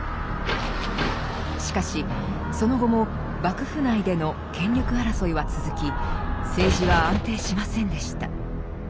しかしその後も幕府内での権力争いは続き政治は安定しませんでした。